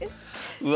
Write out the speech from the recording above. うわ。